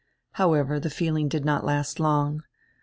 However, die feeling did not last long.